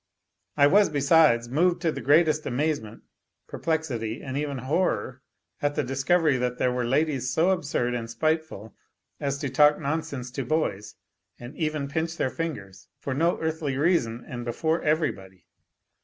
I was, besides, moved to the greatest amazement, perplexity, and even horror, at the discovery A LITTLE HERO 227 that there were ladies so absurd and spiteful as to talk nonsense to boys, and even pinch their fingers, for no earthly reason and before everybody.